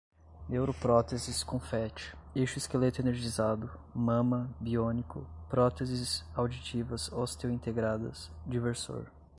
neuropróteses, confetti, exoesqueleto energizado, mama, biônico, próteses auditivas osteointegradas, diversor